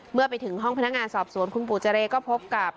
เมื่อไปถึงห้องพนักงานสอบสวนคุณปู่เจรก็พบกับ